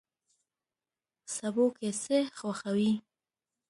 سبو کی څه خوښوئ؟